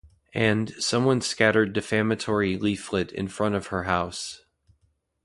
And, someone scattered defamatory leaflet in front of her house.